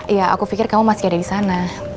ya aku pikir kamu masih ada disana